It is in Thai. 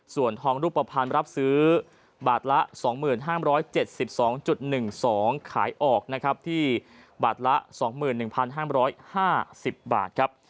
ส่วนทองรูปภัณฑ์รับซื้อบาทละ๒๕๗๒๑๒ขายออกนะครับที่บาทละ๒๑๕๕๐บาทครับ